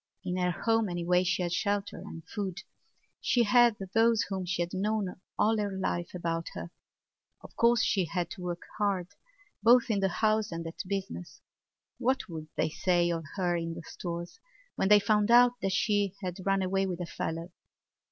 In her home anyway she had shelter and food; she had those whom she had known all her life about her. Of course she had to work hard, both in the house and at business. What would they say of her in the Stores when they found out that she had run away with a fellow?